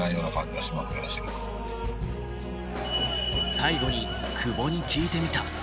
最後に久保に聞いてみた。